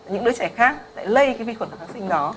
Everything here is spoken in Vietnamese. những đứa trẻ khác lại lây cái vi khuẩn kháng sinh đó